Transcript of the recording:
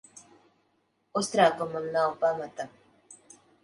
Uztraukumam nav pamata.